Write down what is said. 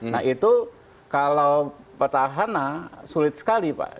nah itu kalau petahana sulit sekali pak